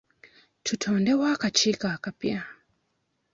Tutondewo akakiiko akapya.